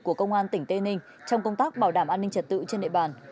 của công an tỉnh tây ninh trong công tác bảo đảm an ninh trật tự trên địa bàn